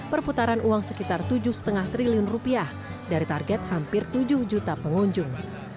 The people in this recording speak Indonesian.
perputaran uang sekitar tujuh lima triliun rupiah dari target hampir tujuh juta pengunjung